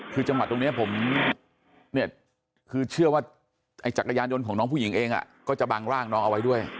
คือจังหวัดตรงนี้ผมเนี่ยคือเชื่อว่าไอ้จักรยานยนต์ของน้องผู้หญิงเองก็จะบังร่างน้องเอาไว้ด้วย